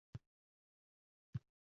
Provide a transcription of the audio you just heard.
yashil talvasalar izdihomidan.